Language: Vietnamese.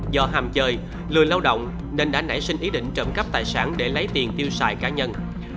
do hàm chơi lười lao động nên đã nảy sinh ý định trộm cắp tài sản để lấy tiền tiêu xài cá nhân